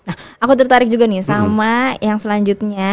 nah aku tertarik juga nih sama yang selanjutnya